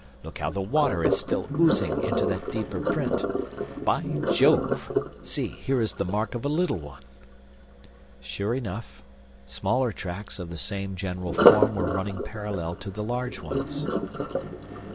Look how the water is still oozing into that deeper print! By Jove! See, here is the mark of a little one!" Sure enough, smaller tracks of the same general form were running parallel to the large ones.